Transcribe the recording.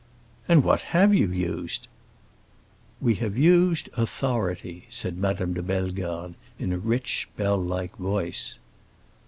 "And what have you used?" "We have used authority," said Madame de Bellegarde in a rich, bell like voice.